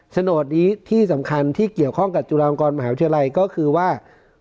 โฉนดนี้ที่สำคัญที่เกี่ยวข้องกับจุฬาลงกรมหาวิทยาลัยก็คือว่า